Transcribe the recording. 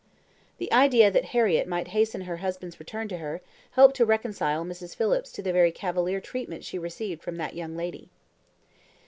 The idea that Harriett might hasten her husband's return to her, helped to reconcile Mrs. Phillips to the very cavalier treatment she received from that young lady.